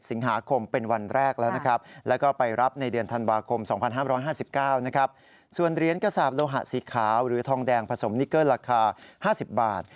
ซาบโลหะสีขาวต้องแดงผสมนิเกอร์ราคา๕๐บาท